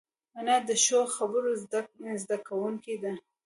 انا د ښو خبرو زده کوونکې ده